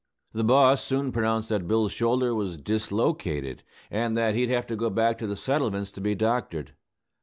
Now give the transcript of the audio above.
The boss soon pronounced that Bill's shoulder was dislocated, and that he'd have to go back to the settlements to be doctored.